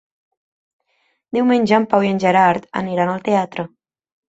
Diumenge en Pau i en Gerard aniran al teatre.